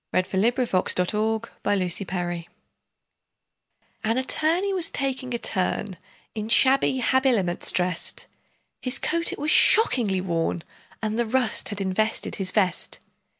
THE BRIEFLESS BARRISTER A BALLAD N Attorney was taking a turn, In shabby habiliments drest; His coat it was shockingly worn, And the rust had invested his vest.